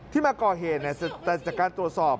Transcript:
มาก่อเหตุแต่จากการตรวจสอบ